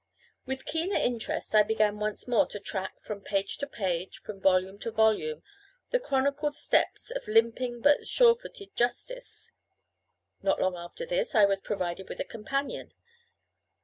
With keener interest I began once more to track, from page to page, from volume to volume, the chronicled steps of limping but sure footed justice. Not long after this I was provided with a companion.